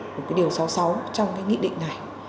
của cái điều sáu mươi sáu trong cái nghị định này